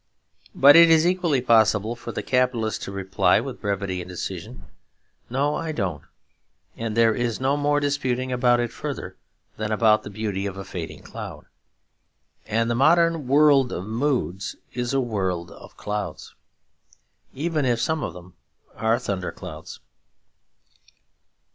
But it is equally possible for the capitalist to reply with brevity and decision, 'No, I don't,' and there is no more disputing about it further than about the beauty of a fading cloud. And the modern world of moods is a world of clouds, even if some of them are thunderclouds.